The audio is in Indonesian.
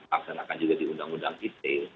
aksanakan juga di undang undang it